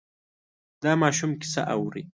دا ماشوم کیسه اوري.